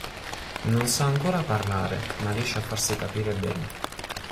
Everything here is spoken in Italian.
Non sa ancora parlare, ma riesce a farsi capire bene.